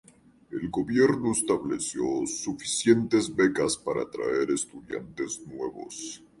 El gobierno estableció suficientes becas para atraer estudiantes nuevos.